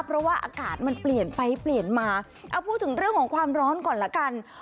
เพราะว่าอากาศมันเปลี่ยนไปเปลี่ยนมาเอาพูดถึงเรื่องของความร้อนก่อนละกัน